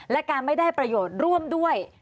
และการไม่ได้ประโยชน์ร่วมด้วย